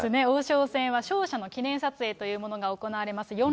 王将戦は勝者の記念撮影というものが行われます。